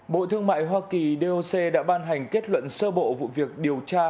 bộ thương mại hoa kỳ doc đã ban hành kết luận sơ bộ vụ việc điều tra